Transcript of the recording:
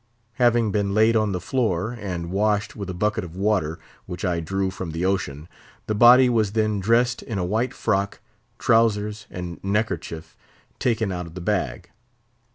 Having been laid on the floor, and washed with a bucket of water which I drew from the ocean, the body was then dressed in a white frock, trowsers, and neckerchief, taken out of the bag.